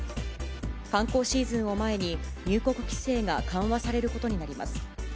観光シーズンを前に、入国規制が緩和されることになります。